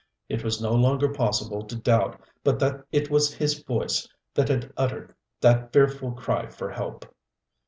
It was no longer possible to doubt but that it was his voice that had uttered that fearful cry for help.